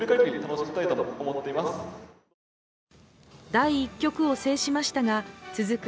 第１局を制しましたが続く